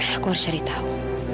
aku harus cari tahu